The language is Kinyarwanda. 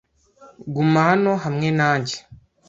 Guma hano hamwe nanjye.